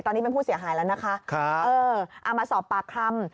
ตอนนี้เป็นผู้เสียหายแล้วนะคะเออเอามาสอบปากคำ